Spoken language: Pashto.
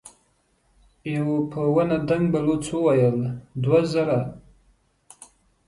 يوه په ونه دنګ بلوڅ وويل: دوه زره.